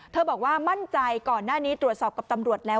บอกว่ามั่นใจก่อนหน้านี้ตรวจสอบกับตำรวจแล้ว